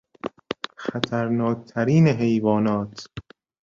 خطرناک ترین حیوانات